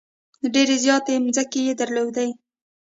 ډېرې زیاتې مځکې یې درلودلې.